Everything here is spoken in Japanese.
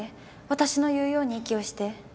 私の言うように息をして。